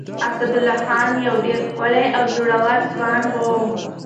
اسدالله خان يو ډېر ښکلی او زړور ځوان و.